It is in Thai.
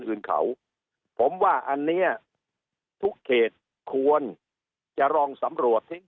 อื่นเขาผมว่าอันเนี้ยทุกเขตควรจะลองสำรวจทิ้ง